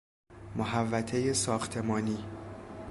محوطه ساختمانی